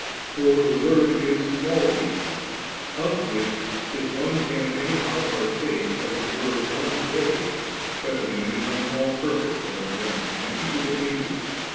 For the Word is all these, of which if one can anyhow partake as it were one ray, such a man becomes all perfect among men, and equal to Angels.